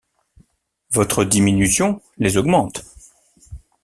Votre diminution les augmente.